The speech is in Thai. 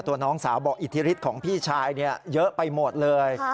น้องสาวบอกอิทธิฤทธิ์ของพี่ชายเยอะไปหมดเลย